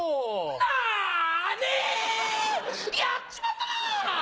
なに‼やっちまったなぁ！